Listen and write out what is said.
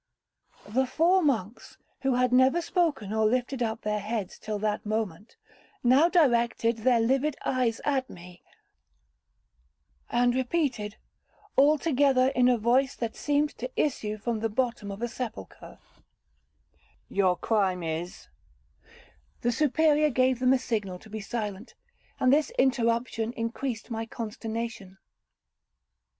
'The four monks, who had never spoken or lifted up their heads till that moment, now directed their livid eyes at me, and repeated, all together, in a voice that seemed to issue from the bottom of a sepulchre, 'Your crime is—' The Superior gave them a signal to be silent, and this interruption increased my consternation.